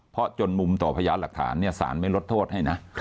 เพราะจนมุมต่อพยานหลักฐานสารไม่ลดโทษให้นะ